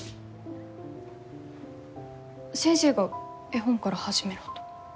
先生が絵本から始めろと。